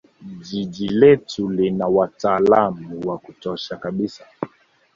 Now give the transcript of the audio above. jiji letu lina wataalam wa kutosha kabisa